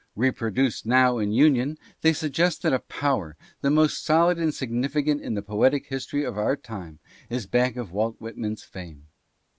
Reproduced now in union, they suggest that a power, the most solid and significant in the poetic history of our time, is back of Walt Whitman's fame.